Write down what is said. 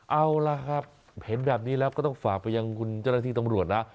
เอาล่ะครับเห็นแบบนี้แล้วก็ต้องฝากไปยังคุณเจ้าหน้าที่ตำรวจนะ